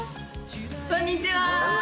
こんにちは。